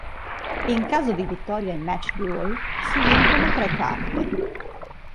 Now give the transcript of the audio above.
In caso di vittoria in Match Duel, si vincono tre carte.